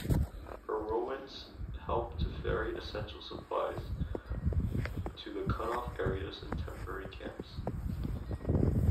Her Whirlwinds helped to ferry essential supplies to the cut-off areas and temporary camps.